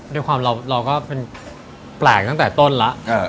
ด้วยความเราก็เป็นแปลกตั้งแต่ต้นแล้ว